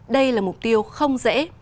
đây là mục tiêu không dễ